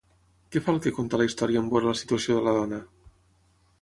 Què fa el que conta la història en veure la situació de la dona?